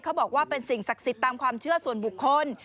บอกว่าเป็นสิ่งศักดิ์สิทธิ์ตามความเชื่อส่วนบุคคล